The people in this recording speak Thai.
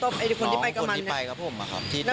ใช่คนที่ไปกับมัน